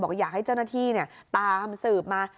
ว่าอยากให้เจ้าหน้าที่เนี่ยตามสื่อมา